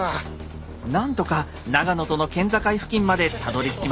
何とか長野との県境付近までたどりつきました。